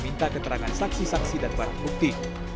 meminta keterangan saksi saksi dan barang bukti